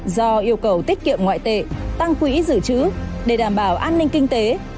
do yêu cầu tiết kiệm ngoại tệ tăng quỹ giữ chữ để đảm bảo an ninh kinh tế